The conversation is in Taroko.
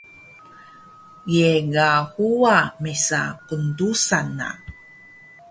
Ye ga huwa mesa kndesan na